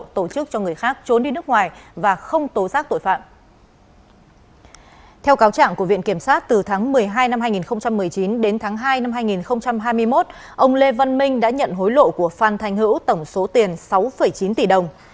từ tháng một mươi hai năm hai nghìn một mươi chín đến tháng hai năm hai nghìn hai mươi một ông lê văn minh đã nhận hối lộ của phan thanh hữu tổng số tiền sáu chín tỷ đồng